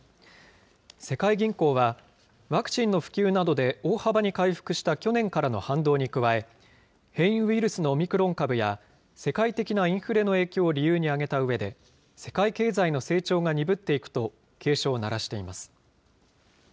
世界銀行はワクチンの普及などで、大幅に回復した去年からの反動に加え、変異ウイルスのオミクロン株や、世界的なインフレの影響を理由に挙げたうえで、世界経済の成長が鈍っていくと警鐘を鳴らしています。